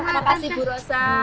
terima kasih bu rosa